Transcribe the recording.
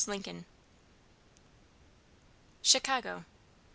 LINCOLN." "CHICAGO